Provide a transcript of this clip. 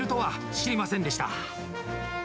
知りませんでした。